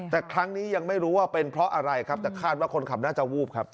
แต่ครั้งนี้ยังไม่รู้ว่าเป็นเพราะอะไรครับแต่คาดว่าคนขับน่าจะวูบครับ